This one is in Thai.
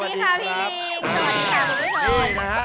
สวัสดีค่ะทุกผู้ชม